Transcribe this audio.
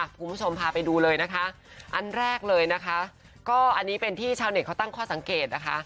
คุณผู้ชมพาไปดูเลยนะคะอันแรกเลยนะคะก็อันนี้เป็นที่ชาวเน็ตเขาตั้งข้อสังเกตนะคะ